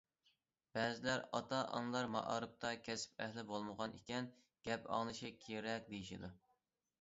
بەزىلەر، ئاتا- ئانىلار مائارىپتا كەسىپ ئەھلى بولمىغان ئىكەن،« گەپ ئاڭلىشى» كېرەك، دېيىشىدۇ.